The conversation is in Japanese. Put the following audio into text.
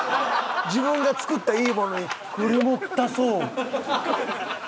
自分が作ったいいものに「これも足そう」。